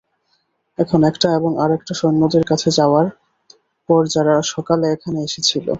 এখন একটা এবং আরেকটা সৈন্যদের কাছে যাওয়ার পর যারা সকালে এখানে এসেছিল।